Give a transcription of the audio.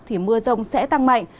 thì mưa rông sẽ tăng mạnh